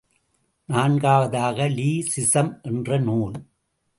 நான்காவதாக, லீ ஸிஸம் என்ற நூல்.